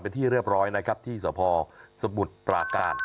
เป็นที่เรียบร้อยนะครับที่สภสมุทรปราการ